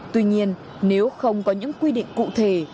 tuy nhiên nếu không có những quy định cụ thể